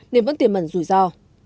nên vẫn tiềm mẩn rủi ro